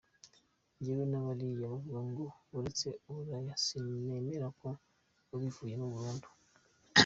Njyewe na bariya bavuga ngo baretse uburaya sinemera ko babivuyemo burundu.